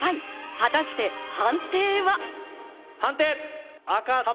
果たして判定は？